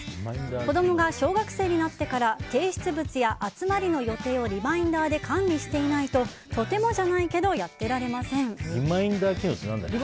子供が小学生になってから提出物や集まりの予定をリマインダーで管理していないととてもじゃないけどリマインダー機能って何だっけ。